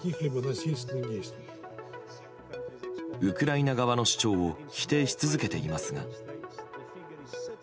ウクライナ側の主張を否定し続けていますが。